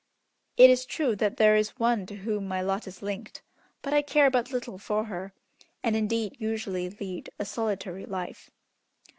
It is true that there is one to whom my lot is linked, but I care but little for her, and indeed usually lead a solitary life."